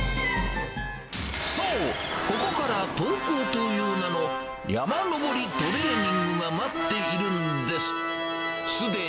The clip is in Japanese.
そう、ここから登校という名の山登りトレーニングが待っているんです。